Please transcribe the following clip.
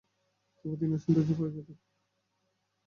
তবুও তিনি অসীম ধৈর্যের পরিচয় দেন।